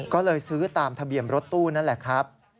ก็เลยซื้อตามทะเบียนรถตู้นั่นแหละครับ